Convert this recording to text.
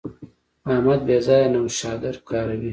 احمد بې ځایه نوشادر کاروي.